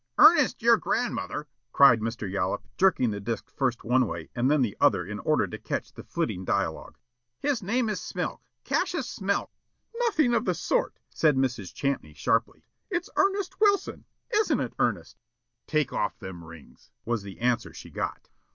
"Ernest your grandmother," cried Mr. Yollop jerking the disk first one way and then the other in order to catch the flitting duologue. "His name is Smilk, Cassius Smilk." "Nothing of the sort," said Mrs. Champney sharply. "It's Ernest Wilson, isn't it, Ernest?" "Take off them rings," was the answer she got.